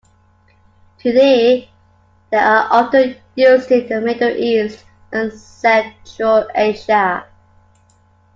Today they are often used in the Middle East and Central Asia.